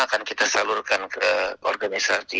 akan kita salurkan ke organisasi